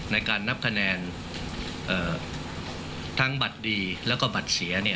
ในการนับคะแนนทั้งบัตรดีแล้วก็บัตรเสีย